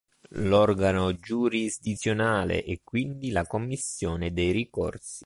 L'organo giurisdizionale è quindi la "Commissione dei Ricorsi".